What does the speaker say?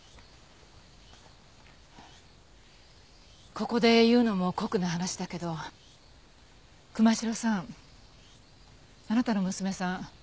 ここで言うのも酷な話だけど神代さんあなたの娘さん